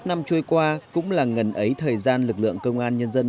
bảy mươi năm năm trôi qua cũng là ngần ấy thời gian lực lượng công an nhân dân